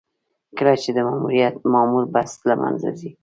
کله چې د مامور بست له منځه ځي.